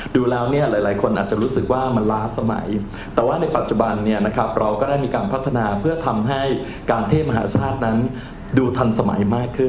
ดูแล้วเนี่ยหลายคนอาจจะรู้สึกว่ามันล้าสมัย